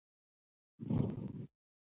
ما د ژوند هرې ترخې تجربې ته په ډېرې خندا وکتل.